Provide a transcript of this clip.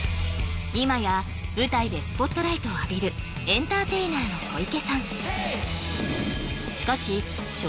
いまや舞台でスポットライトを浴びるエンターテイナーの小池さん